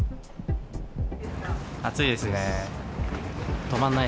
暑いですね。